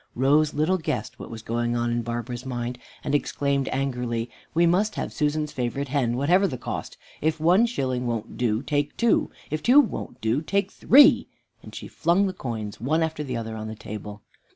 Rose little guessed what was going on in Barbara's mind, and exclaimed angrily, "We must have Susan's favorite hen, whatever it costs. If one shilling won't do, take two. If two won't do, take three," and she flung the coins one after the other on the table.